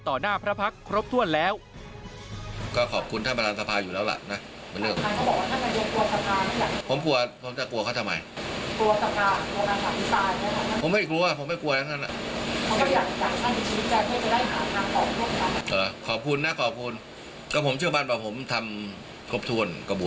ต่อหน้าพระพักธ์ครบถ้วนแล้ว